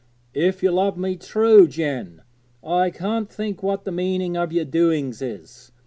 'If you love me true, Jen, I can't think what the meaning of your doings is.